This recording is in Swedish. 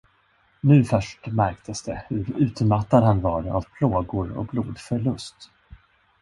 Nu först märktes det hur utmattad han var av plågor och blodförlust.